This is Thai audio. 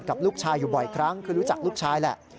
กับลูกชายอยู่บ่อยครั้งคือรู้จักลูกชายแหละ